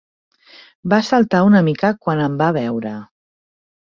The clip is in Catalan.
Va saltar una mica quan em va veure.